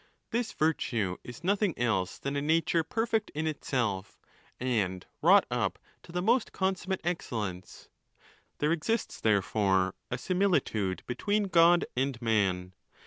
This virtue is nothing else than a nature perfect in itself, and wrought up to the _~™most consummate excellence. There exists, therefore, a. similitude between God and man.